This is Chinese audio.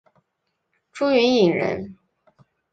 朱云影人。